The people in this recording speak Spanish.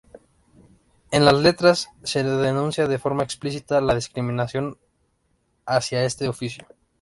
En las letras se denuncia de forma explícita la discriminación hacia este oficio.